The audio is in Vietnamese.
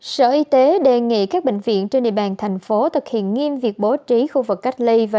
sở y tế đề nghị các bệnh viện trên địa bàn thành phố thực hiện nghiêm việc bố trí khu vực cách ly và